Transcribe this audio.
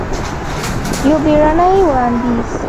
یو بیړنې وړاندیز!